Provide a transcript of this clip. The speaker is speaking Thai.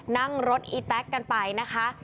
นั่งรถอีแต๊กกันไปนะคะ